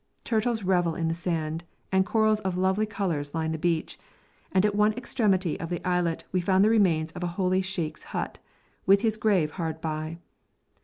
Turtles revel in the sand, and corals of lovely colours line the beach, and at one extremity of the islet we found the remains of a holy sheikh's hut, with his grave hard by.